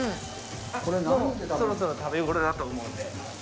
もうそろそろ食べ頃だと思うので。